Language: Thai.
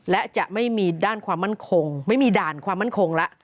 และจะไม่มีด้านความมั่นคงไม่มีด่านความมั่นคงแล้ว